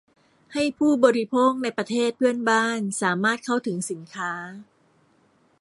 ให้ผู้บริโภคในประเทศเพื่อนบ้านสามารถเข้าถึงสินค้า